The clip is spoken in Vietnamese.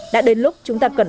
đã đến lúc chúng ta cần